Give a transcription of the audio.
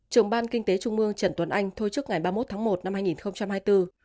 trưởng ban kinh tế trung mương trần tuấn anh thổi chức ngày ba mươi một một hai nghìn hai mươi bốn